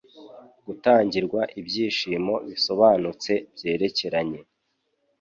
gutangirwa ibyigisho bisobanutse byerekeranye